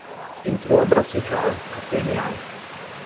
entrou a bracejar, a pernear